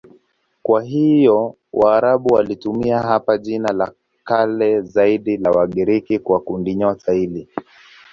Kwa hiyo Waarabu walitumia hapa jina la kale zaidi la Wagiriki kwa kundinyota hili.